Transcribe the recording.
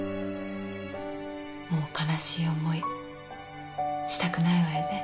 もう悲しい思いしたくないわよね？